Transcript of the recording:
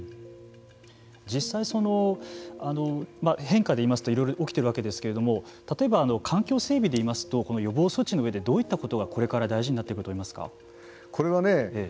実際、変化でいいますといろいろ起きているわけですけれども例えば、環境整備で言いますとこの予防措置の上でどういったことがこれから大事になってくるとこれはね